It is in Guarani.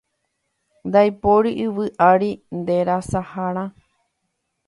Ndaipóri yvy ári nderasaharã